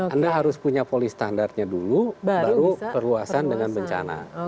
anda harus punya polis standarnya dulu baru perluasan dengan bencana